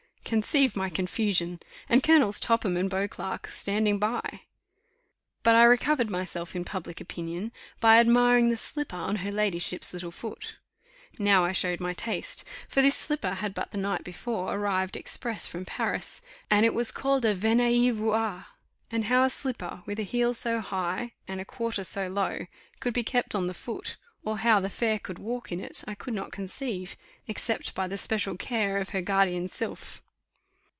Conceive my confusion! and Colonels Topham and Beauclerk standing by. But I recovered myself in public opinion, by admiring the slipper on her ladyship's little foot. Now I showed my taste, for this slipper had but the night before arrived express from Paris, and it was called a venez y voir; and how a slipper, with a heel so high, and a quarter so low, could be kept on the foot, or how the fair could walk in it, I could not conceive, except by the special care of her guardian sylph.